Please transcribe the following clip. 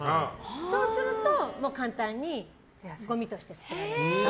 そうすると簡単にごみとして捨てられる。